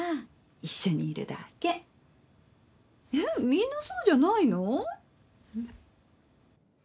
みんなそうじゃないの？